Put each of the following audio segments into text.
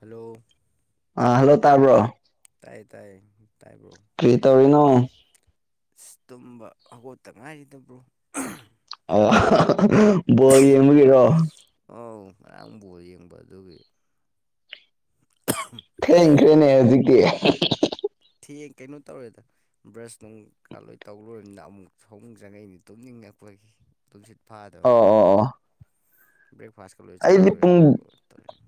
hello ꯑ hello ꯇꯥꯕ꯭ꯔꯣ ꯇꯥꯏ ꯇꯥꯏ ꯇꯥꯏꯌꯦ ꯕ꯭ꯔꯣ ꯀꯔꯤ ꯇꯧꯔꯤꯅꯣ ꯑꯁ ꯇꯨꯝꯕ ꯍꯧꯒꯠꯇ ꯉꯥꯏꯔꯤꯗ ꯕ꯭ꯔꯣ ꯑ ꯕꯣꯜ ꯌꯦꯡꯕꯒꯤꯔꯣ ꯑꯧ ꯉꯥꯔꯥꯡ ꯕꯣꯜ ꯌꯦꯡꯕ ꯑꯗꯨꯒꯤ ꯊꯦꯡꯈ꯭ꯔꯦꯅꯦ ꯍꯧꯖꯤꯛꯇꯤ ꯊꯤꯌꯦ ꯀꯩꯅꯣ ꯇꯧꯔꯦꯗ ꯕ꯭ꯔꯁ ꯅꯨꯡ ꯀ ꯂꯣꯏ ꯇꯧꯔꯣꯏꯃꯤꯅ ꯑꯃꯨꯛ ꯐꯃꯨꯝ ꯆꯡꯉꯛꯏꯅꯦ ꯇꯨꯝꯅꯤꯡꯉꯛꯄꯒꯤ ꯇꯨꯝꯁꯤꯠ ꯑꯣ ꯐꯥꯗꯕꯩ ꯑꯣ ꯑꯣ ꯕ꯭ꯔꯦꯛꯐꯥꯁꯀ ꯂꯣꯏ ꯆꯥ ꯑꯩꯗꯤ ꯂꯣꯏꯔꯃꯤ ꯄꯨꯡ ꯑꯗꯨꯒ ꯇꯨꯝꯅꯤꯡ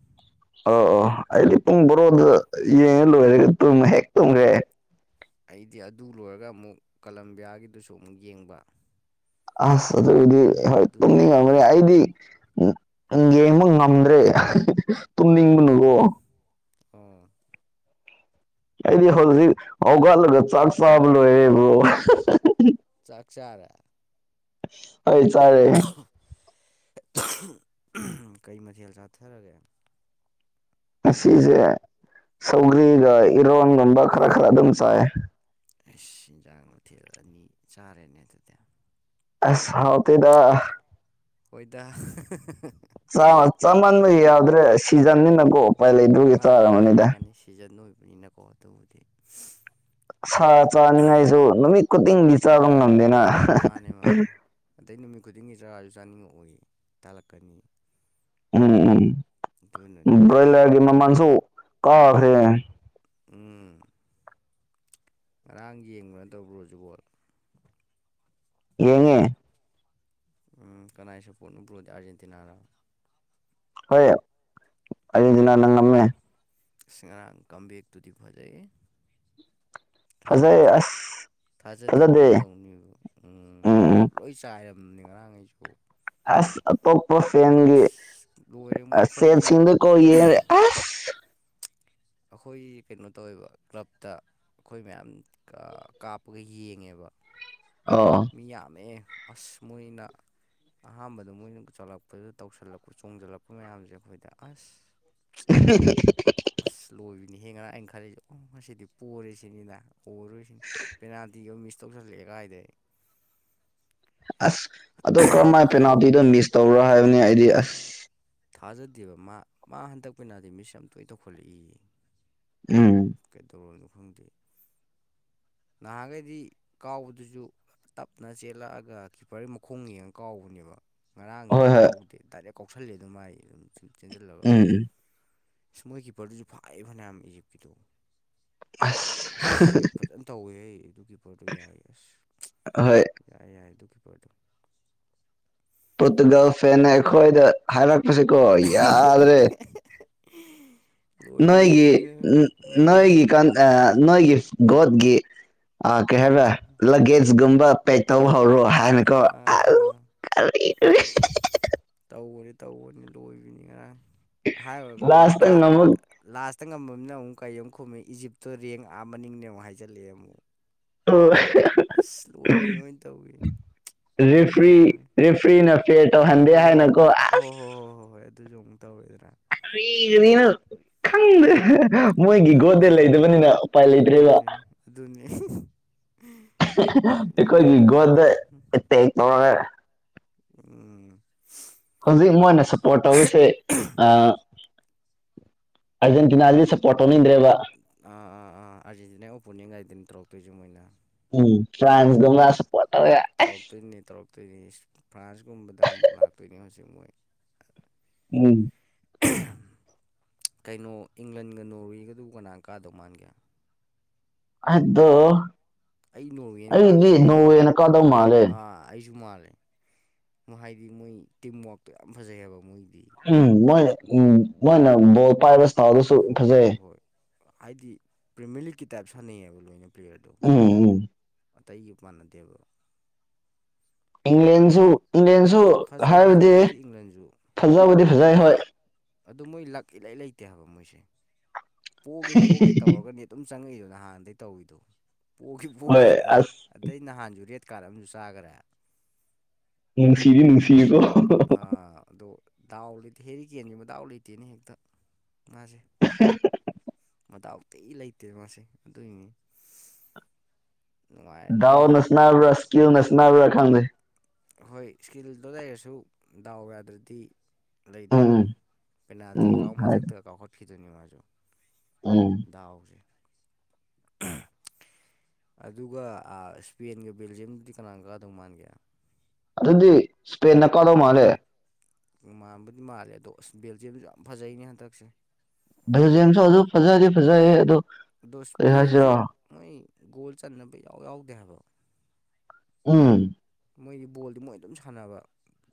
ꯑꯣ ꯑꯣ ꯑꯩꯗꯤ ꯄꯨꯡ ꯕꯣꯔꯣꯗ ꯌꯦꯡꯉ ꯂꯣꯏꯔꯦ ꯇꯨꯝꯃꯦ ꯇꯨꯝꯒ꯭ꯔꯦ ꯑꯩꯗꯤ ꯑꯗꯨ ꯂꯣꯏꯔꯒ ꯑꯃꯨꯛ ꯀꯂꯝꯕꯤꯌꯥꯒꯤꯗꯨꯁꯨ ꯑꯃꯨꯛ ꯌꯦꯡꯕ ꯑꯁ ꯑꯗꯨꯒꯤꯗꯤ ꯍꯣꯏ ꯇꯨꯝꯅꯤꯡ ꯉꯝꯒꯅꯤ ꯑꯗꯨꯒꯤꯅꯤꯅꯦ ꯑꯩꯗꯤ ꯎ ꯎꯝ ꯌꯦꯡꯕ ꯉꯝꯗ꯭ꯔꯦ ꯑꯥꯎ ꯇꯨꯝꯅꯤꯡꯕꯅꯀꯣ ꯑꯣ ꯑꯩꯗꯤ ꯍꯧꯖꯤꯛ ꯍꯧꯒꯠꯂꯒ ꯆꯥꯛ ꯆꯥꯕ ꯂꯣꯏꯔꯦ ꯕ꯭ꯔꯣ ꯆꯥꯛ ꯆꯥꯔꯦ ꯍꯣꯏ ꯆꯥꯔꯦ ꯀꯩ ꯃꯊꯦꯜ ꯆꯥꯊꯔꯒꯦ ꯑꯁꯤꯖꯦ ꯁꯧꯒ꯭ꯔꯤꯒ ꯏꯔꯣꯟꯒꯨꯝꯕ ꯈꯔ ꯈꯔ ꯑꯗꯨꯝ ꯆꯥꯏ ꯑꯩꯁ ꯏꯦꯟꯖꯥꯡ ꯃꯊꯦꯜ ꯑꯅꯤ ꯆꯥꯔꯦꯅꯦ ꯑꯗꯨꯗꯤ ꯑꯁ ꯍꯥꯎꯇꯦꯗ ꯍꯣꯏꯗ ꯥ ꯆꯥꯛ ꯇꯧ ꯆꯥꯃꯟꯕ ꯌꯥꯗ꯭ꯔꯦ ꯁꯤꯖꯟꯅꯤꯅꯀꯣ ꯎꯄꯥꯏ ꯂꯩꯗꯒꯤ ꯆꯥꯔꯕꯅꯤꯗ ꯁꯤꯖꯟꯅ ꯑꯣꯏꯕꯅꯤꯅꯀꯣ ꯇꯧꯕꯨꯗꯤ ꯁꯥ ꯆꯥꯅꯤꯡꯉꯥꯏꯁꯨ ꯅꯨꯃꯤꯠ ꯈꯨꯨꯗꯤꯡꯒꯤ ꯆꯥꯕ ꯉꯝꯗꯦꯅ ꯃꯥꯅꯦ ꯃꯥꯅꯦ ꯑꯗꯩ ꯅꯨꯃꯤꯠ ꯈꯨꯗꯤꯡꯒꯤ ꯆꯔꯥꯁꯨ ꯆꯥꯅꯤꯡꯉꯛꯑꯣꯏ ꯇꯜꯂꯛꯀꯅꯤ ꯎꯝ ꯎꯝ ꯑꯗꯨꯅꯅꯤꯅꯦ ꯕ꯭ꯔꯣꯏꯂꯔꯒꯤ ꯃꯃꯜꯁꯨ ꯀꯥꯈ꯭ꯔꯦ ꯎꯝ ꯉꯔꯥꯡ ꯌꯦꯡꯕ ꯅꯠꯇꯕ꯭ꯔ ꯕ꯭ꯔꯣꯖꯤꯕꯨ ꯌꯦꯡꯉꯦ ꯀꯅꯥꯏꯁꯨꯄꯣꯔꯠꯅ ꯕ꯭ꯔꯣꯗꯤ ꯑꯥꯔꯖꯦꯟꯇꯤꯅꯥꯔ ꯍꯣꯏ ꯑꯥꯔꯖꯦꯟꯇꯤꯅꯥꯅ ꯉꯝꯃꯦ ꯑꯁ ꯉꯔꯥꯡ ꯀꯝꯝꯕꯦꯛꯇꯨꯗꯤ ꯐꯖꯩꯍꯦ ꯐꯖꯩ ꯊꯥꯖꯗꯦ ꯑꯁ ꯊꯥꯖꯗꯦ ꯑꯗꯨꯃꯥꯏꯅ ꯐꯖꯗꯦ ꯇꯧꯅꯤꯕ ꯎꯝ ꯍꯣꯞ ꯂꯣꯏ ꯆꯥꯏꯔꯝꯅꯤ ꯉꯔꯥꯡꯈꯩꯁꯨ ꯑꯁ ꯑꯇꯣꯞꯄ ꯐꯦꯟꯒꯤ ꯂꯣꯏꯔꯦ ꯃꯣꯏ ꯑꯁ ꯑꯩꯈꯣꯏꯗꯤ ꯁꯦꯁꯤꯡꯗ ꯀꯣ ꯌꯦꯔꯦ ꯑꯁ ꯑꯩꯈꯣꯏ ꯀꯩꯅꯣ ꯇꯧꯋꯦꯕ ꯀ꯭ꯂꯞꯇ ꯑꯩꯈꯣꯏ ꯃꯌꯥꯝ ꯀꯥꯞꯄꯒ ꯌꯦꯡꯉꯦꯕ ꯑꯣ ꯃꯤ ꯌꯥꯝꯃꯦ ꯑꯁ ꯃꯣꯏꯅ ꯑꯍꯥꯟꯕꯗ ꯃꯣꯏꯅ ꯆꯠꯂꯛꯄꯗ ꯇꯧꯁꯤꯜꯂꯛꯄ ꯆꯣꯡꯁꯤꯜꯂꯛꯄ ꯃꯌꯥꯝꯖꯦ ꯑꯩꯈꯣꯏꯗ ꯑꯁ [unintelligible] ꯑꯁ ꯂꯣꯏꯕꯅꯤ ꯉꯔꯥꯡ ꯑꯩꯅ ꯈꯜꯂꯤꯁꯦ ꯑꯣ ꯉꯁꯤꯗꯤ ꯄꯣꯔꯤꯦꯁꯤꯅꯤꯅ ꯑꯣꯔꯔꯣꯏꯁꯤꯅꯤ ꯄꯦꯅꯥꯜꯇꯤꯒ ꯃꯤꯁ ꯇꯧꯁꯜꯂꯛꯑꯦ ꯀꯥꯏꯗꯩ ꯑꯁ ꯑꯗꯣ ꯀꯔꯝꯍꯥꯏꯅ ꯄꯦꯅꯥꯜꯇꯤꯗꯣ ꯃꯤꯁ ꯇꯧꯕ꯭ꯔ ꯍꯥꯏꯕꯅꯦ ꯑꯩꯗꯤ ꯑꯁ ꯊꯥꯖꯗꯦꯕ ꯃꯥ ꯃꯥ ꯍꯟꯗꯛ ꯄꯦꯅꯥꯜꯇꯤ ꯃꯤꯁ ꯌꯥꯝ ꯇꯣꯏ ꯇꯧꯈꯠꯂꯛꯏꯌꯦ ꯎꯝ ꯀꯩꯗꯧꯔꯝꯅꯣ ꯈꯪꯗꯦ ꯅꯍꯥꯟꯈꯩꯗꯤ ꯀꯥꯎꯕꯗꯨꯁꯨ ꯇꯞꯅ ꯆꯦꯜꯂꯛꯑꯒ ꯀꯤꯞꯄꯔꯒꯤ ꯃꯈꯣꯡ ꯌꯦꯡꯉ ꯀꯥꯎꯕꯅꯦꯕ ꯉꯔꯥꯡꯗꯤ ꯍꯣꯏ ꯍꯣꯏ ꯀꯥꯎꯗꯦ ꯗꯥꯏꯔꯦꯛ ꯀꯥꯎꯁꯜꯂꯦꯗꯅ ꯃꯥꯏ ꯑꯗꯨꯝ ꯆꯦꯟꯁꯤꯜꯂꯒ ꯎꯝ ꯎꯝ ꯏꯁꯃꯣꯏ ꯀꯤꯄꯔꯗꯨꯁꯨ ꯐꯥꯏ ꯐꯅꯌꯥꯝ ꯏꯖꯤꯞꯀꯤꯗꯣ ꯑꯁ ꯁꯦꯞ ꯐꯖꯅ ꯇꯧꯋꯦꯍꯦ ꯑꯗꯨ ꯀꯤꯞꯄꯔꯗꯨ ꯌꯥꯏ ꯑꯁ ꯍꯣꯏ ꯌꯥꯏ ꯌꯥꯏ ꯑꯗꯨ ꯀꯤꯞꯄꯔꯗꯣ ꯄꯣꯠꯇꯨꯒꯜ ꯐꯦꯟꯅ ꯑꯩꯈꯣꯏꯗ ꯍꯥꯏꯔꯛꯄꯁꯤꯀꯣ ꯌꯥꯗ꯭ꯔꯦ [unintelligible] ꯂꯣꯏꯕꯤꯅꯤ ꯅꯣꯏꯒꯤ ꯃꯣꯏꯅ ꯎꯝ ꯅꯣꯏꯒꯤ ꯀ ꯅꯣꯏꯒꯤ ꯒꯣꯠꯒꯤ ꯑ ꯀꯩ ꯍꯥꯏꯕ꯭ꯔ ꯎꯝ ꯂꯒꯦꯖꯒꯨꯝꯕ ꯄꯦꯛ ꯇꯧꯕ ꯍꯧꯔꯣ ꯑꯥ ꯑꯥ ꯍꯥꯏꯅꯀꯣ ꯑꯥ ꯑꯥ ꯑꯥ [unintelligible] ꯇꯧꯕꯅꯤ ꯇꯧꯕꯅꯤ ꯂꯣꯏꯕꯅꯤ ꯉꯔꯥꯡ ꯍꯥꯏꯔꯨꯔꯒ ꯑꯃꯨꯛ ꯂꯥꯁꯇ ꯀꯥ ꯉꯝꯃꯛ ꯂꯥꯁꯇ ꯉꯝꯃꯅꯤꯅ ꯑꯃꯨꯛ ꯀꯩ ꯑꯃꯨꯛ ꯈꯨꯝꯃꯦ ꯏꯖꯤꯞꯇꯣ ꯔꯦꯡꯛ ꯑꯥ ꯃꯅꯤꯡꯅꯦ ꯑꯃꯨꯛ ꯍꯥꯏꯖꯜꯂꯛꯑꯦ ꯑꯃꯨꯛ [unintelligible] ꯑꯁ ꯂꯣꯏꯕꯤꯅꯦ ꯃꯣꯏꯅ ꯇꯧꯋꯤꯖꯦ ꯕꯦꯔꯥꯅꯦ ꯅ ꯄ꯭ꯂꯦ ꯇꯧꯍꯟꯗꯦ ꯍꯥꯏꯅ ꯀꯣ ꯍꯣ ꯑꯁ ꯍꯣ ꯍꯣ ꯍꯣꯏ ꯑꯗꯨꯁꯨ ꯑꯃꯨꯛ ꯇꯧꯔꯣꯏꯗ꯭ꯔꯥ ꯅꯤꯅ ꯈꯪꯗꯦ ꯒ꯭ꯌꯥꯟ ꯃꯣꯏꯒꯤ ꯒꯣꯠꯇꯦ ꯇꯥꯗꯦ ꯂꯩꯗꯕꯅꯤꯅ ꯎꯄꯥꯏ ꯂꯩꯇ꯭ꯔꯦꯕ ꯑꯗꯨꯅꯤ ꯑꯗꯨꯅꯤ [unintelligible] ꯅꯣꯛꯅꯤꯡꯉꯦ ꯑꯩꯈꯣꯏꯒꯤ ꯉꯔꯥꯡꯒꯤꯗꯣ ꯒꯣꯠꯗ ꯑꯦꯇꯦꯛ ꯇꯧꯔꯒ ꯎꯝ ꯍꯧꯖꯤꯛ ꯃꯣꯏꯅ ꯁꯞꯄꯣꯔꯠ ꯇꯧꯕꯁꯦ ꯑꯔꯖꯦꯟꯇꯤꯅꯥꯗꯤ ꯁꯞꯄꯣꯔꯠ ꯇꯧꯅꯤꯡꯗ꯭ꯔꯦꯕ ꯑꯥ ꯑꯥ ꯑꯥꯔꯖꯦꯟꯇꯤꯅꯥ ꯑꯣꯄꯣꯅꯤꯝ ꯉꯥꯏꯗ ꯇꯧꯔꯀ ꯇꯣꯏꯖ ꯃꯥꯏꯅ [unintelligible] [unintelligible] ꯑꯗꯨꯅꯦ ꯐ꯭ꯔꯥꯟꯁꯀꯨꯝꯕꯗ ꯑꯃꯨꯛ ꯂꯥꯛꯇꯣꯏꯅꯤ ꯍꯧꯖꯤꯛ ꯃꯣꯏ ꯎꯝ ꯀꯩꯅꯣ ꯏꯪꯂꯟꯒ ꯅꯣꯔꯋꯦꯒꯗꯨꯕꯨ ꯀꯅꯥ ꯀꯥꯗꯧ ꯃꯥꯟꯒꯦ ꯑꯗꯣ ꯑꯩ ꯅꯣꯡ ꯑꯩꯗꯤ ꯀꯥꯒꯤꯗꯧ ꯃꯥꯜꯂꯦ ꯅꯣꯔꯋꯦꯅ ꯀꯥꯗꯧ ꯃꯥꯜꯂꯦ ꯑꯥ ꯑꯩꯁꯨ ꯃꯥꯜꯂꯦ ꯍꯥꯏꯗꯤ ꯃꯣꯏ ꯇꯤꯝꯋꯥꯛꯇꯣ ꯌꯥꯝ ꯐꯖꯩ ꯍꯥꯏꯕ ꯃꯣꯏꯒꯤꯗꯤ ꯎꯝ ꯃꯣꯏ ꯎꯝ ꯃꯣꯏꯅ ꯄꯥꯏꯕ ꯏꯁꯇꯥꯏꯜꯗꯨꯁꯨ ꯍꯣꯏ ꯐꯖꯩ ꯍꯣꯏ ꯍꯣꯏ ꯍꯥꯏꯗꯤ ꯄ꯭ꯔꯤꯃꯤꯌꯔꯂꯤꯛꯀꯤ ꯇꯥꯏꯞ ꯁꯥꯟꯅꯩꯕ ꯂꯣꯏꯅ ꯄ꯭ꯂꯦꯌꯔꯗꯣ ꯑꯣꯝ ꯎꯝ ꯑꯇꯩꯒ ꯃꯥꯟꯅꯗꯦꯕ ꯏꯪꯂꯦꯟꯁꯨ ꯑꯗꯨꯃꯥꯏ ꯏꯪꯂꯦꯟꯁꯨ ꯐꯖꯩ ꯍꯥꯏꯕꯗꯤ ꯐꯖꯕꯨꯗꯤ ꯏꯪꯂꯟꯁꯨ ꯐꯖꯕꯨꯗꯤ ꯐꯖꯩ ꯍꯣꯏ ꯑꯗꯨ ꯃꯣꯏ ꯂꯛ ꯏꯂꯩ ꯂꯩꯇꯦ ꯍꯥꯏꯕ ꯃꯣꯏꯁꯦ ꯄꯣꯒꯦ ꯄꯣꯒꯦ ꯇꯧꯔꯒꯅꯤ ꯑꯗꯨꯝ ꯆꯪꯉꯛꯏꯗꯣ ꯅꯍꯥꯟꯗꯒꯤꯩ ꯇꯧꯔꯤꯗꯨꯣ ꯄꯣꯒꯦ ꯄꯣꯒꯦ ꯍꯣꯏ ꯈꯤꯇꯥꯗꯩꯩ ꯑꯁ ꯑꯗꯩ ꯅꯍꯥꯟꯁꯨ ꯔꯦꯠ ꯀꯥꯔꯠ ꯑꯃꯁꯨ ꯆꯥꯈ꯭ꯔꯦ ꯅꯨꯡꯁꯤꯔꯤ ꯅꯨꯡꯁꯤꯀꯣ ꯑꯥ, ꯑꯗꯣ ꯗꯥꯎ ꯂꯩꯇꯦ ꯍꯦꯔꯤꯀꯦꯟꯁꯦ ꯃꯥꯗꯥꯎ ꯂꯩꯇꯦꯅ ꯍꯦꯛꯇ ꯃꯥꯁꯦ [unintelligible] ꯃꯗꯥꯥꯎꯊꯤ ꯂꯩꯇꯦ ꯃꯥꯁꯦ ꯑꯗꯨꯒꯤꯅꯤ ꯅꯨꯡꯉꯥꯏꯔꯅꯤ ꯗꯥꯎꯅ ꯃꯣꯏꯗꯤ ꯁꯅꯕ꯭ꯔꯥ ꯁꯀꯤꯜꯅ ꯁꯅꯕ꯭ꯔꯥ ꯈꯪꯗꯦ ꯍꯣꯏ ꯏꯁꯀꯤꯜꯗꯣ ꯂꯩꯔꯁꯨ ꯗꯥꯎ ꯌꯥꯗ꯭ꯔꯗꯤ ꯂꯩꯗꯅ ꯎꯝ ꯎꯝ ꯄꯦꯅꯥꯜꯇꯤꯀꯥꯎ ꯍꯥꯏꯗ ꯃꯊꯛꯇ ꯀꯥꯎꯈꯠꯈꯔ꯭ꯤꯗꯣ ꯃꯥꯁꯨ ꯎꯝ ꯗꯥꯎꯁꯦ ꯑꯗꯨꯒ ꯁ꯭ꯄꯦꯟꯒ ꯕꯦꯜꯖꯤꯌꯝꯒꯗꯤ ꯀꯅꯥ ꯀꯗꯧ ꯃꯥꯟꯒꯦ ꯑꯗꯨꯗꯤ ꯁ꯭ꯄꯦꯟꯅꯥ ꯀꯗꯧ ꯃꯥꯜꯂꯦ ꯃꯥꯟꯕꯨꯗꯤ ꯃꯥꯜꯂꯦ ꯑꯗꯣ ꯑꯁ ꯕꯦꯜꯖꯤꯌꯝꯁꯨ ꯌꯥꯝ ꯐꯖꯩꯅꯦ ꯍꯟꯗꯛꯁꯦ ꯕꯦꯜꯖꯤꯌꯝꯁꯨ ꯑꯗꯨ ꯐꯖꯗꯤ ꯐꯖꯩ ꯑꯗꯨ ꯑꯗꯣ ꯏꯁꯄꯦꯟꯁꯦ ꯃꯣꯏ ꯒꯣꯜ ꯆꯟꯅꯕ ꯏꯌꯥꯎ ꯌꯥꯎꯗꯦ ꯍꯥꯏꯕ ꯎꯝ ꯃꯣꯏꯗꯤ ꯕꯣꯜꯗꯤ ꯃꯣꯏ ꯑꯗꯨꯝ ꯁꯥꯟꯅꯕ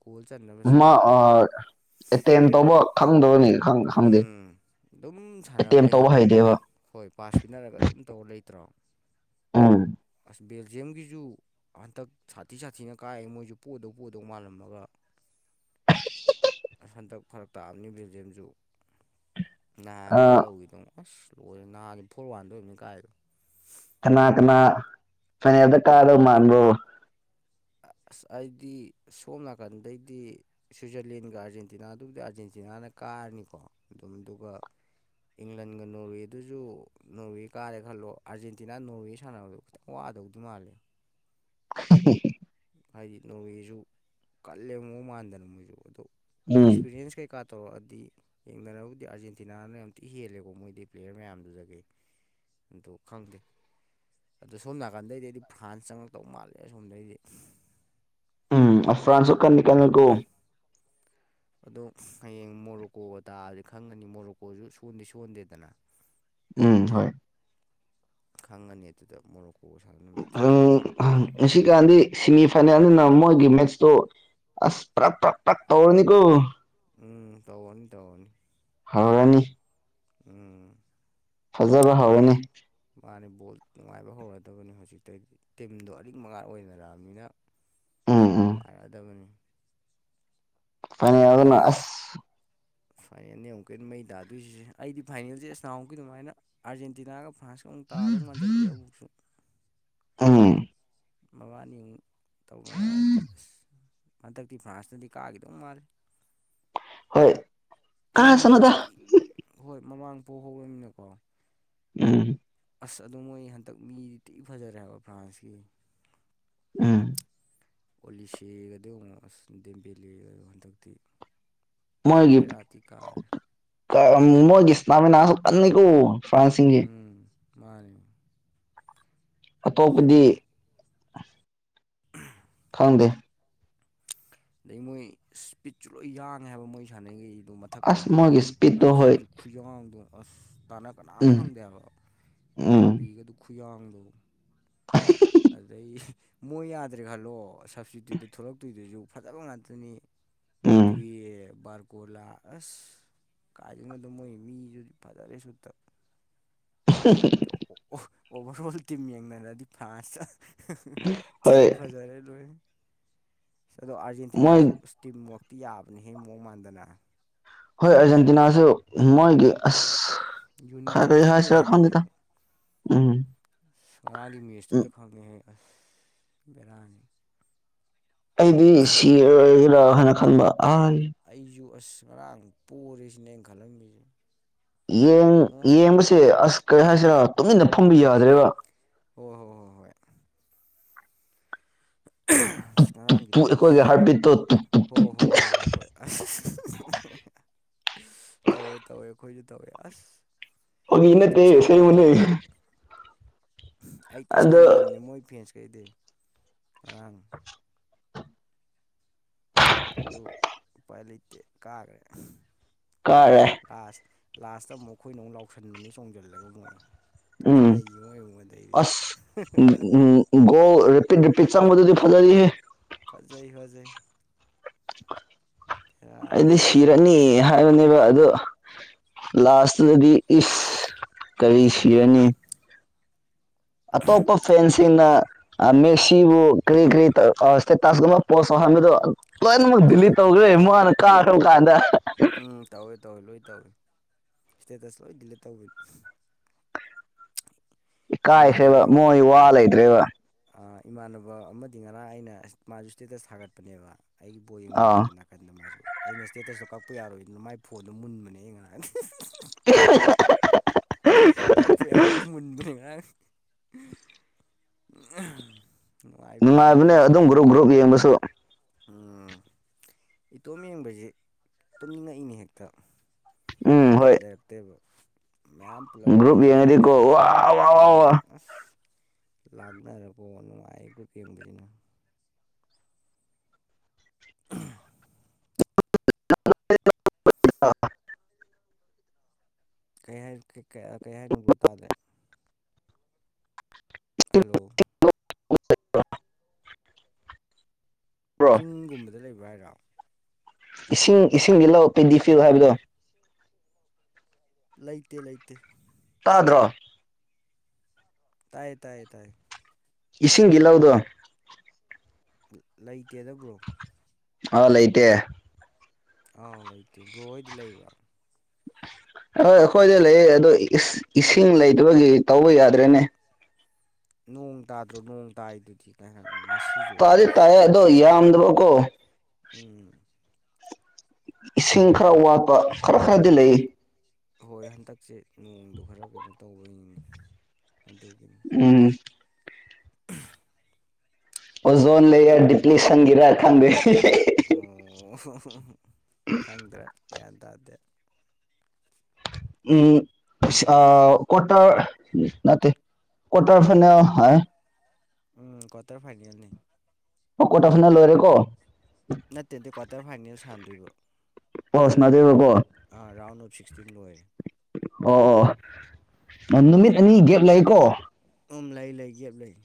ꯀꯣꯜ ꯆꯠꯅꯕ ꯃꯥ ꯑꯥ ꯇꯦꯟ ꯇꯧꯕ ꯈꯪꯗꯕꯅꯤ ꯍꯣ ꯈꯪꯗꯦ ꯎꯝ ꯑꯗꯨꯝ ꯁꯥꯟꯅꯔ ꯑꯦꯇꯦꯝ ꯂꯩ ꯇꯧꯕ ꯍꯥꯏꯕ ꯍꯩꯇꯦꯕ ꯍꯣꯏ ꯄꯥꯁ ꯄꯤꯅꯔꯒ ꯑꯗꯨꯝ ꯇꯧꯔ ꯂꯩꯇ꯭ꯔꯣ ꯎꯝ ꯑꯁ ꯕꯦꯜꯖꯤꯌꯝꯒꯤꯖꯨ ꯍꯟꯇꯛ ꯁꯥꯊꯤ ꯁꯥꯊꯤꯅ ꯀꯥꯏꯑꯦ ꯃꯣꯏꯁꯨ ꯄꯣꯗꯧ ꯄꯣꯗꯧ ꯃꯥꯜꯂꯝꯃꯒ ꯑꯁ ꯍꯟꯗꯛ ꯐꯔꯛ ꯇꯥꯕꯅꯤ ꯕꯤꯜꯖꯤꯌꯝꯁꯨ ꯅꯍꯥꯟꯒꯗ ꯇꯧꯔꯤꯗꯣꯉꯣ ꯑꯁ ꯂꯣꯏꯔꯦ ꯅꯍꯥꯟ ꯐꯣꯔ ꯋꯥꯟꯗ ꯑꯣꯏꯔꯝꯅꯤ ꯀꯥꯏꯗꯣ ꯀꯅꯥ ꯀꯅꯥ ꯐꯥꯏꯅꯦꯜꯗ ꯀꯥꯗꯧ ꯃꯥꯟꯕ꯭ꯔ‌ꯣ ꯑꯁ ꯑꯩꯗꯤ ꯁꯣꯝ ꯅꯥꯀꯟꯗꯩꯗꯤ ꯁ꯭ꯋꯤꯖꯔꯂꯦꯟꯒ ꯑꯥꯔꯖꯦꯟꯇꯤꯅꯥꯗꯨꯕꯨꯗꯤ ꯑꯥꯔꯖꯦꯟꯇꯤꯅꯥꯅ ꯀꯥꯔꯅꯤꯀꯣ ꯑꯗꯨꯝ ꯗꯨꯒ ꯏꯪꯂꯟꯒ ꯅꯣꯔꯋꯦꯗꯨꯁꯨ ꯅꯣꯔꯋꯦ ꯀꯥꯔꯦ ꯈꯜꯂꯣ ꯑꯥꯔꯖꯦꯟꯇꯤꯅꯥ ꯅꯣꯔꯋꯦ ꯁꯥꯟꯅꯕꯗꯣ ꯈꯤꯇꯪ ꯋꯥꯗꯧꯗꯤ ꯃꯥꯜꯂꯦ [unintelligible] ꯍꯥꯏꯗꯤ ꯅ‌ꯣꯋꯦꯖꯨ ꯀꯜꯂꯦ ꯃꯑꯣꯡ ꯃꯥꯟꯗꯅ ꯃꯣꯏꯖꯨ ꯑꯗꯣ ꯎꯝ ꯑꯦꯛꯁꯄꯤꯔꯤꯌꯦꯟꯁ ꯀꯩꯀꯥ ꯇꯧꯔꯛꯑꯗꯤ ꯌꯦꯡꯅꯔꯕꯨꯗꯤ ꯑꯥꯔꯖꯦꯟꯇꯤꯅꯥꯅ ꯌꯥꯝ ꯊꯤ ꯍꯦꯜꯂꯦꯀꯣ ꯃꯣꯏꯗꯩ ꯄ꯭ꯂꯦꯌꯥꯔ ꯃꯌꯥꯝꯗꯨꯗꯒꯤ ꯑꯗꯨ ꯈꯪꯗꯦ ꯑꯗꯣ ꯁꯣꯝ ꯅꯥꯀꯟꯗꯩꯗꯤ ꯑꯩꯗꯤ ꯐ꯭ꯔꯥꯟꯁ ꯆꯪꯉꯛꯇꯧ ꯃꯥꯜꯂꯦ ꯑꯁꯣꯝꯗꯩꯗꯤ [unintelligible] ꯎꯝ ꯐ꯭ꯔꯥꯟꯁꯨ ꯀꯜꯗꯤ ꯀꯟꯂꯤꯀꯣ ꯑꯗꯣ ꯍꯌꯦꯡ ꯃꯣꯔꯣꯛꯀꯣꯒ ꯇꯥꯔꯗꯤ ꯈꯪꯒꯗꯤ ꯃꯣꯔꯣꯛꯀꯣꯁꯨ ꯁꯣꯟꯗꯤ ꯁꯣꯟꯗꯦꯗꯅ ꯎꯝ ꯍꯣꯏ ꯈꯪꯉꯅꯤ ꯑꯗꯨꯗ ꯃꯣꯔꯣꯛꯀꯣ ꯁꯥꯟꯅꯕ ꯅꯨꯃꯤꯠꯇꯥ ꯑ ꯉ ꯀꯥꯟꯗꯤ ꯁꯦꯃꯤ ꯐꯥꯏꯅꯦꯜꯅꯤꯅ ꯃꯣꯏꯒꯤ ꯃꯦꯠꯁꯇꯣ ꯑꯁ ꯄ꯭ꯔꯛ ꯄ꯭ꯔꯛ ꯄ꯭ꯔꯛ ꯇꯧꯔꯅꯤꯀꯣ ꯎꯝ ꯇꯧꯔꯅꯤ ꯇꯧꯔꯅꯤ ꯍꯧꯔꯅꯤ ꯎꯝ ꯐꯖꯕ ꯍꯧꯔꯅꯤ ꯃꯥꯅꯦ ꯕꯣꯜ ꯅꯨꯡꯉꯥꯏꯕ ꯍꯧꯔꯗꯕꯅꯤ ꯍꯪꯖꯤꯛꯇꯩꯗꯤ ꯇꯤꯝꯗꯣ ꯑꯔꯤꯡꯃꯉꯥꯛ ꯑꯣꯏꯅꯔꯛꯑꯝꯅꯤꯅ ꯎꯝ ꯎꯝ ꯅꯨꯡꯉꯥꯏꯔꯗꯕꯅꯤ ꯐꯅꯤ [unintelligible] ꯑꯁ ꯐꯥꯏꯅꯦꯜꯅꯦ ꯑꯃꯨꯛꯀꯍ‌ꯦꯟ ꯃꯩ ꯇꯥꯗꯣꯏꯁꯦ ꯑꯩꯗꯤ ꯐꯥꯏꯅꯦꯜꯁꯦ ꯑꯁ ꯅꯍꯥꯃꯨꯛꯀꯤ ꯗꯨꯃꯥꯏꯅ ꯑꯥꯔꯖꯦꯟꯇꯤꯅꯥꯒ ꯐ꯭ꯔꯥꯟꯁ [unintelligible] ꯇꯥꯗꯧ ꯃꯥꯟꯁꯤꯜꯂꯛꯑꯦ ꯑꯃꯨꯛꯁꯨ ꯑꯝ ꯃꯕꯥꯅꯤ ꯇꯧꯅꯔꯛꯑꯗꯤ ꯑꯁ ꯍꯟꯗꯛꯇꯤ ꯐ꯭ꯔꯥꯟꯁꯅꯗꯤ ꯀꯥꯈꯤꯗꯧ ꯃꯥꯜꯂ‌ꯦ ꯍꯣꯏ ꯃꯤꯗ‌ꯣ ꯀꯥꯁꯅꯨꯗ ꯇꯤꯟ ꯍꯣꯏ ꯃꯃꯥꯡ ꯄ‌ꯣꯍꯧꯔꯝꯅꯤꯅꯀꯣ ꯎꯝ ꯑꯁ ꯑꯗ‌ꯣ ꯃꯣꯏ ꯍꯟꯗꯛ ꯃꯤꯗꯤ ꯊꯤ ꯐꯖꯔꯦ ꯍꯥꯕ ꯐ꯭ꯔꯥꯟꯁꯀꯤ ꯎꯝ ꯑꯣꯂꯤꯁ‌ꯦꯒꯗ‌ꯣ ꯌ‌ꯦꯡꯉ‌ꯣ ꯑꯁ ꯗꯦꯝꯕ‌ꯦꯂ‌ꯦꯒꯗ‌ꯣ ꯍꯟꯗꯛꯇꯤ ꯃꯣꯏꯒꯤ ꯕꯦꯔꯥ ꯊꯤ ꯀꯥꯔꯦ ꯀ ꯃꯣꯏꯒꯤ ꯏꯁꯇꯥꯃꯤꯅꯥꯁꯨ ꯀꯟꯅꯤꯀꯣ ꯐ꯭ꯔꯥꯟꯁꯁꯤꯡꯒꯤ ꯎꯝ ꯃꯥꯅꯦ ꯑꯁ ꯑꯇꯣꯞꯄꯗꯤ ꯃꯣꯏ [unintelligible] ꯈꯪꯗꯦ ꯑꯗꯩ ꯃꯣꯏ ꯏꯁꯄꯤꯠꯁꯨ ꯂꯣꯏ ꯌꯥꯡꯉꯦ ꯍꯥꯏꯕ ꯃꯣꯏ ꯁꯥꯟꯅꯔꯤꯈꯩꯗꯣ ꯑꯁ ꯃꯊꯛꯀꯩꯗꯣ ꯃꯣꯏꯒꯤ ꯏꯁꯄꯤꯠꯇꯣ ꯂꯝꯖꯦꯟꯁꯨ ꯍꯣꯏ ꯈꯨꯌꯥꯡꯗꯣ ꯑꯁ ꯇꯥꯟꯅ ꯀꯅꯥꯝ ꯎꯝ ꯐꯪꯗꯦꯕ ꯎꯝ ꯕꯥꯄꯤꯒꯗꯨ ꯈꯨꯌꯥꯡꯗꯣ [unintelligible] ꯑꯗꯨꯗꯩ ꯃꯣꯏ ꯌꯥꯗ꯭ꯔꯦ ꯈꯜꯂꯣ ꯁꯞꯁꯇꯤꯇ꯭ꯌꯨꯠꯇ ꯊꯣꯛꯂꯛꯇꯣꯏꯗꯨꯁꯨ ꯐꯖꯕ ꯉꯥꯛꯇꯅꯤ ꯎꯝ ꯗꯨꯏꯌ‌ꯦ ꯕꯥꯔ ꯀꯣꯂꯥ ꯑꯁ ꯀꯥꯏꯗꯩꯅ‌ꯣꯗ ꯃꯣꯏ ꯃꯤꯁꯨꯗꯤ ꯐꯖꯔꯦ ꯁꯨꯠꯇ [unintelligible] ꯑꯣ ꯑꯣꯚꯔ‌ꯣꯜ ꯇꯤꯝ ꯌꯦꯡꯅꯔꯗꯤ ꯐ꯭ꯔꯥꯟꯁ ꯊꯤ ꯍꯣꯏ ꯐꯖꯔꯦ ꯂ‌ꯣꯏ ꯏꯁ ꯑꯗꯣ ꯑꯥꯔꯖꯦꯟꯇꯤꯅꯥꯁꯨ ꯃꯣꯏ ꯏꯁ ꯇꯤꯝꯋꯥꯛꯇꯤ ꯌꯥꯕꯅꯤꯍ‌ꯦ ꯃꯑꯣꯡ ꯃꯥꯟꯗꯅ ꯍꯣꯏ ꯑꯔꯖꯦꯟꯇꯤꯅꯥꯁꯨ ꯃꯣꯏꯒꯤ ꯑꯁ ꯈ ꯌꯨꯅꯤꯇꯤ ꯀꯩ ꯊꯤ ꯑꯣꯏ ꯍꯥꯏꯁꯤꯔꯥ ꯍꯥꯏꯕ ꯈꯪꯗ‌ꯦꯗ ꯃꯣꯏꯁꯨ ꯎꯝ ꯑꯁ ꯉꯔꯥꯡꯒꯤ ꯎꯝ ꯃꯦꯁꯇꯨꯗ ꯈꯪꯉꯦꯍ‌ꯦ ꯑꯁ ꯕꯦꯔꯥꯅꯤ ꯑꯩꯗꯤ ꯁꯤꯔꯣꯏꯒꯦꯔꯥ ꯍꯥꯏꯅ ꯈꯟꯕ ꯑ ꯑꯩꯖꯨ ꯑꯁ ꯉꯔꯥꯡ ꯄꯣꯔꯦꯁꯤꯅꯤ ꯑꯩꯅ ꯈꯜꯂꯝꯃꯤꯁꯦ ꯌꯦꯡ ꯑꯣ ꯌꯦꯡꯕꯁꯦ ꯑꯁ ꯀꯔꯤ ꯍꯥꯏꯁꯤꯔꯥ ꯇꯨꯃꯤꯟꯅ ꯐꯝꯕ ꯌꯥꯗ꯭ꯔꯦꯕ ꯍꯣꯏ ꯍꯣꯏ ꯍꯣꯏ ꯍꯣꯏ ꯉꯔꯥꯡꯒꯤꯗꯣ ꯑꯩꯈꯣꯏꯒꯤ ꯎꯁ ꯍꯥꯔꯠ ꯕꯤꯠꯇꯣ ꯍꯣ ꯍꯣ ꯍꯣꯏ ꯍꯣꯏ ꯍꯣꯏ ꯇꯧꯋꯦ ꯇꯧꯋꯦ ꯑꯩꯈꯣꯏꯁꯨ ꯇꯧꯋꯦ ꯑꯁ ꯐꯥꯒꯤ ꯑꯩ ꯊꯤ ꯅꯠꯇꯦ ꯑꯁꯦꯡꯕꯅꯦ ꯁꯥꯎꯅꯤꯡꯉꯝꯅꯦ ꯑꯩ ꯇꯤ ꯑꯗꯣ ꯁꯥꯎꯅꯤꯡꯉꯕꯅꯤ ꯃꯣꯏ ꯐꯦꯟꯁꯈꯩꯗꯤ ꯉꯔꯥꯡ [inaudible] ꯀꯥꯒ꯭ꯔꯦ ꯀꯥꯏꯔ [unintelligible] ꯂꯥꯁ ꯂꯥꯁꯇ ꯑꯃꯨꯛ ꯑꯩꯈꯣꯏꯅ ꯑꯃꯨꯛ ꯂꯥꯎꯁꯟꯕꯅꯤ ꯆꯣꯡꯁꯤꯜꯂꯒ ꯃꯣꯏ ꯎꯝ ꯇꯨꯃꯤꯟꯅ ꯂꯩꯈꯤ ꯃ‌ꯣꯏ ꯃꯥꯡꯉꯣꯟꯗꯩꯗꯤ ꯑꯁ ꯎꯝ ꯒꯣꯜ ꯔꯤꯄꯤꯠ ꯔꯤꯄꯤꯠ ꯆꯥꯡꯕꯗꯨꯗꯤ ꯐꯖꯩꯍ‌ꯦ ꯐꯖꯩ ꯐꯖꯩ ꯕꯦꯔꯥꯅꯤ ꯑꯩꯗꯤ ꯑꯗꯨ ꯁꯤ ꯔꯅꯤ ꯍꯥꯏꯕꯅꯦꯕ ꯑꯗꯣ ꯂꯥꯁꯇꯨꯗꯗꯤ ꯏꯁ ꯀꯔꯤ ꯎꯝ ꯁꯤꯔꯅꯤ ꯑꯇꯣꯞꯄ ꯐꯦꯟꯁꯤꯡꯅ ꯑ ꯃꯦꯁꯤꯕꯨ ꯀꯔꯤ ꯀꯔꯤ ꯇꯧ ꯑ ꯏꯁꯇꯦꯇꯁꯀꯨꯝꯕ ꯄꯣꯁ ꯇꯧꯍꯟꯕꯗꯣ ꯂꯣꯏꯅꯃꯛ ꯗꯤꯂꯤꯠ ꯇꯧꯋꯦ ꯇꯧꯋꯦ ꯇꯧꯒ꯭ꯔꯦ ꯇꯧꯋꯦ ꯃꯥꯅ ꯀꯥꯔꯕ ꯀꯥꯟꯗ ꯎꯝ ꯇꯧꯋꯦ ꯇꯧꯋꯦ ꯂꯣꯏ ꯇꯧꯋꯤ ꯏꯁꯇꯦꯇꯁ ꯂꯣꯏ ꯗꯤꯂꯤꯠ ꯇꯧꯒꯤꯕꯗꯣ [inaudible] ꯏꯀꯥꯏꯈ꯭ꯔꯦꯕ ꯃꯣꯏ ꯋꯥ ꯂꯩꯇ꯭ꯔꯦꯕ ꯑ ꯏꯃꯥꯟꯅꯕ ꯑꯃꯗꯤ ꯉꯔꯥꯡ ꯑꯩꯅ ꯃꯥꯁꯨ ꯏꯁꯇꯦꯇꯁ ꯊꯥꯒꯠꯄꯅꯦꯕ ꯑꯩꯒꯤ ꯕꯣꯜ ꯑꯥ ꯌꯦꯡꯃꯤꯟꯅꯩꯕ ꯅ ꯀꯟꯗ ꯃꯥꯖꯨ ꯑꯩꯅ ꯏꯁꯇꯦꯇꯁꯇꯣ ꯀꯛꯄ ꯌꯥꯔꯣꯏꯗꯅ ꯃꯥꯏ ꯐꯣꯟꯗꯣ ꯃꯨꯟꯕꯅꯦ ꯑꯩꯅ ꯉꯔꯥꯡꯗꯤ ꯎꯝ [unintelligible] ꯀꯛꯄ ꯌꯥꯔꯣꯏꯅ ꯃꯨꯟꯕꯅꯤ ꯉꯔꯥꯡ ꯅꯨꯡꯉꯥꯏꯕꯤꯅꯤ ꯅꯨꯡꯉꯥꯏꯕꯅꯦ ꯉꯔꯥꯡ ꯑꯗꯨꯝ ꯇꯧꯋꯤ ꯒ꯭ꯔꯨꯞ ꯒ꯭ꯔꯨꯞ ꯌꯦꯡꯕꯁꯨ ꯎꯝ ꯏꯇꯣꯝ ꯌꯦꯡꯕꯖꯤ ꯇꯨꯝꯅꯤꯡꯉꯛꯏꯅꯦ ꯍꯦꯛꯇ ꯎꯝ ꯕꯤꯠ ꯍꯣꯏ ꯂꯩꯔꯛꯇꯦꯕ ꯃꯌꯥꯝ ꯄꯨꯂꯞ ꯒ꯭ꯔꯨꯞ ꯌꯦꯡꯃꯤꯟꯅꯔꯛꯑꯗꯤ ꯌꯦꯡꯉꯗꯤꯀꯣ ꯋꯥ ꯋꯥ ꯋꯥ ꯎꯝ ꯋꯥ ꯑꯁ ꯂꯥꯛꯅꯔꯕꯣ ꯅꯨꯡꯉꯥꯏ ꯒ꯭ꯔꯨꯞ ꯌꯦꯡꯕꯖꯤꯅ [unintelligible] ꯀꯩ ꯍꯥꯏꯅꯣ ꯀꯩ ꯀꯩ ꯍꯥꯏꯅꯣ ꯕ꯭ꯔꯣ ꯇꯥꯗ꯭ꯔꯦ ꯍꯥꯜꯂꯣ ꯕ꯭ꯔꯣ ꯆꯤꯡꯒꯨꯝꯕꯗ ꯂꯩꯕ꯭ꯔꯥ ꯍꯥꯏꯔꯣ ꯏꯁꯤꯡ ꯏꯁꯤꯡꯗꯤ ꯂꯧ ꯄꯦꯟꯗꯤ ꯐꯤꯜ ꯍꯜꯂꯣ ꯍꯥꯏꯕꯗꯣ ꯂꯩꯇꯦ ꯂꯩꯇꯦ ꯇꯥꯗ꯭ꯔꯣ ꯇꯥꯏꯌꯦ ꯇꯥꯏꯌꯦ ꯇꯥꯏꯌꯦ ꯏꯁꯤꯡꯗꯤ ꯂꯧꯗ꯭ꯔꯣ ꯂꯩꯇꯦꯗ ꯕ꯭ꯔꯣ ꯑ ꯂꯩꯇꯦ ꯑꯥꯎ ꯂꯩꯇꯦ ꯕ꯭ꯔꯣ ꯍꯣꯏꯗꯤ ꯂꯩꯕ꯭ꯔꯥ ꯑꯣꯏ ꯑꯩꯈꯣꯏꯗ ꯂꯩꯌꯦ ꯑꯗꯣ ꯏꯁꯤꯡ ꯂꯩꯇꯕꯒꯤ ꯇꯧꯕ ꯌꯥꯗ꯭ꯔꯦꯅꯦ ꯅꯣꯡ ꯇꯥꯗ꯭ꯔꯣ ꯅꯣꯡ ꯇꯥꯏꯗꯨꯗꯤ ꯉꯥꯏꯍꯥꯛ ꯉꯁꯤ ꯇꯥꯗꯤ ꯇꯥꯏꯌꯦ ꯑꯗꯣ ꯌꯥꯝꯗꯕ ꯀꯣ ꯎꯝ ꯏꯁꯤꯡ ꯈꯔ ꯋꯥꯠꯄ ꯈꯔ ꯈꯔꯗꯤ ꯂꯩ ꯎꯝ ꯍꯣꯏ ꯍꯟꯗꯛꯁꯦ ꯅꯣꯡꯗꯣ ꯈꯔ ꯀꯩꯅꯣ ꯇꯧꯕꯒꯤꯅꯦ ꯑꯗꯨꯒꯤꯅꯤ ꯎꯝ ꯑꯣꯖꯣꯟ ꯂꯩꯌꯥꫪ ꯗꯤꯄ꯭ꯂꯤꯁꯟꯒꯤꯔ ꯈꯪꯗꯦ [unintelligible] ꯈꯪꯗ꯭ꯔꯦ ꯒ꯭ꯌꯥꯟ ꯇꯥꯗꯦ ꯎꯝ ꯑ ꯀ꯭ꯋꯥꯇꫪ ꯅꯠꯇꯦ ꯀ꯭ꯋꯥꯇꫪ ꯐꯥꯏꯅꯦ ꯍꯥꯏ ꯎꯝ ꯀ꯭ꯋꯥꯇꫪ ꯐꯥꯏꯅꯦꯜ ꯅꯦ [unintelligible] ꯂꯣꯏꯔꯦ ꯀꯣ ꯅꯠꯇꯦꯗ ꯀ꯭ꯋꯥꯇꫪ ꯐꯥꯏꯅꯦꯜ ꯁꯥꯟꯗꯣꯏꯕ ꯕꫭꯜ ꯁꯅꯥꯗꯦꯕꯀꯣ ꯑ ꯔꯥꯎꯟ ꯑꯞ ꯁꯤꯛꯁꯇꯤꯟ ꯂꯣꯏꯔꯦ ꯑꯣ ꯑꯣ ꯅꯨꯃꯤꯠ ꯑꯅꯤ ꯒꯦꯞ ꯂꯩꯀꯣ ꯎꯝ ꯂꯩ ꯂꯩ ꯒꯦꯞ ꯂꯩ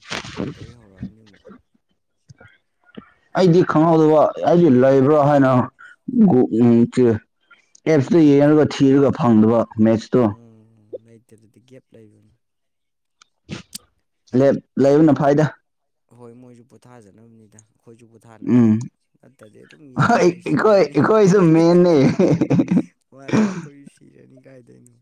ꯑꯗꯩ ꯍꯧꯔꯛꯑꯅꯤ ꯑꯃꯨꯛ ꯑꯩꯗꯤ ꯈꯪꯍꯧꯗꯕ ꯑꯩꯗꯤ ꯂꯩꯕ꯭ꯔꯥ ꯍꯥꯏꯅ ꯒꯣꯛ ꯎꯝ ꯆꯦ ꯑꯦꯞꯁꯂꯤ ꯂꯩꯇꯦ ꯂꯤꯌꯦꯡꯕꯠ ꯊꯤꯔꯒ ꯐꯪꯗꯕ ꯃꯦꯠꯁ ꯎꯝ ꯂꯩꯇꯦ ꯑꯗꯨꯗꯤ ꯒꯦꯞ ꯂꯩꯕꯅꯤ ꯂꯦꯞ ꯂꯩꯕꯅ ꯐꯩꯗ ꯍꯣꯏ ꯃꯣꯏꯖꯨ ꯄꯣꯊꯥꯖꯅꯕꯅꯤꯗ ꯑꯩꯈꯣꯏꯖꯨ ꯎꯝ ꯄꯣꯠꯊꯥꯅꯕꯅꯤ ꯅꯠꯇꯗꯤ ꯑꯗꯨꯝ ꯍꯣꯏ ꯌꯦꯡꯉꯒ ꯑꯩ ꯑꯩꯈꯣꯏ ꯁꯤꯔꯅꯤ ꯑꯩꯈꯣꯏꯁꯨ ꯃꯦꯟꯅꯦ ꯃꯥꯅꯦ ꯑꯩꯈꯣꯏ ꯁꯤꯔꯅꯤ ꯀꯥꯏꯗꯣꯏꯩꯅꯣ